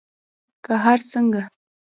که هر څنګه